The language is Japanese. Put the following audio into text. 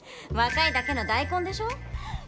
若いだけの大根でしょ。